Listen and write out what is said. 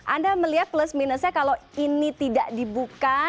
anda melihat plus minusnya kalau ini tidak dibuka